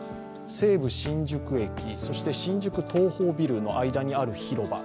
西武新宿駅、そして新宿東宝ビルの間にある広場